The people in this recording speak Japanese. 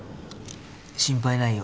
心配ないよ。